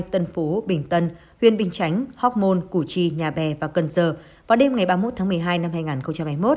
tân phú bình tân huyện bình chánh hóc môn củ chi nhà bè và cần giờ vào đêm ngày ba mươi một tháng một mươi hai năm hai nghìn hai mươi một